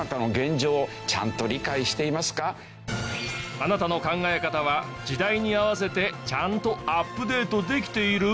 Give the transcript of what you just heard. あなたの考え方は時代に合わせてちゃんとアップデートできている？